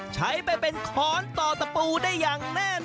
ใช้ไปเป็นค้อนต่อตะปูได้อย่างแน่นอน